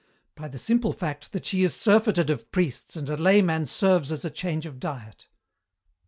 By the simple fact that she is surfeited of priests and a layman serves as a change of diet.